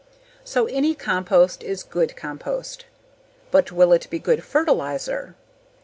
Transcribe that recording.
So any compost is good compost. But will it be good fertilizer?